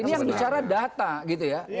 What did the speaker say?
ini yang bicara data